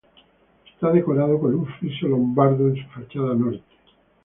Está decorada con un friso lombardo en su fachada norte.